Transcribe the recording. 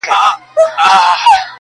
پسرلی وایې جهاني دي پرې باران سي